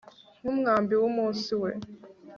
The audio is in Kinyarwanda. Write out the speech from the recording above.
Nkumwambi wumunsi we